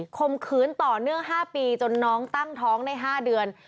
มขืนต่อเนื่อง๕ปีจนน้องตั้งท้องได้๕เดือน